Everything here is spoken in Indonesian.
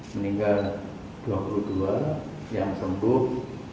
meninggal dua puluh dua yang sembuh